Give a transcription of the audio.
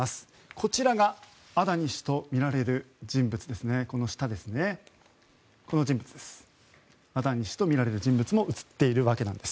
こちらがアダニ氏とみられる人物です。